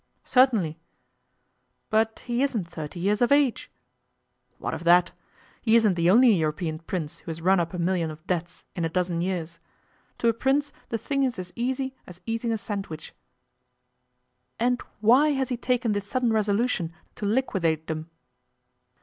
'Certainly.' 'But he isn't thirty years of age?' 'What of that? He isn't the only European Prince who has run up a million of debts in a dozen years. To a Prince the thing is as easy as eating a sandwich.' 'And why has he taken this sudden resolution to liquidate them?